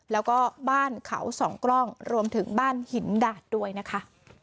แล้วก็บ้านเขาสองกล้องรวมถึงบ้านหินดาดด้วยนะคะ